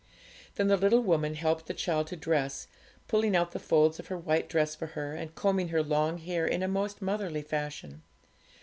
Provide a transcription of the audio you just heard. Then the little woman helped the child to dress pulling out the folds of her white dress for her, and combing her long hair in a most motherly fashion.